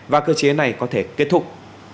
và cơ chế này có thể kết thúc